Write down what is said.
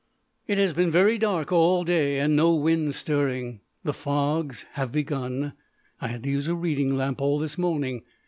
It has been very dark all day, and no wind stirring. The fogs have begun. I had to use a reading lamp all this morning.